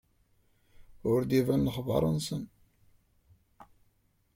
Ur d-iban lexbar-nnes.